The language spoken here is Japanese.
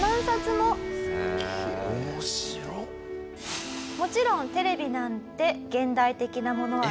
もちろんテレビなんて現代的なものはないので。